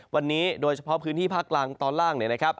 วันนี้โดยเฉพาะพื้นที่ภาคกลางตอนล่างเนี่ยนะครับ